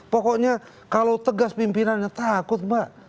pokoknya kalau tegas pimpinannya takut mbak